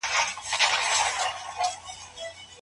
کمپيوټر کېميا تحليلوي.